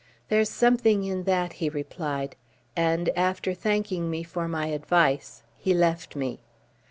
"There's something in that," he replied; and, after thanking me for my advice, he left me.